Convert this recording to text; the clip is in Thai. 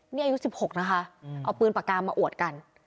นี่อายุ๑๖นะคะเอาปืนปากกามาอวดกัน